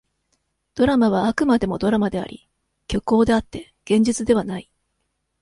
ドラマは、あくまでもドラマであり、虚構であって、現実ではない。